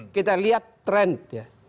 kita lihat trend ya